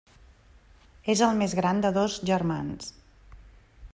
És el més gran de dos germans.